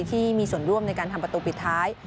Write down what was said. ที่มีส่วนร่วมในการทำประตูปิดท้าย